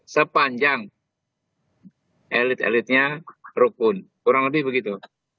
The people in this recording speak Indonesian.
sepanjang elit elitnya rukun kurang lebih begitu